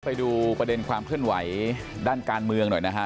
ไปดูประเด็นความเคลื่อนไหวด้านการเมืองหน่อยนะฮะ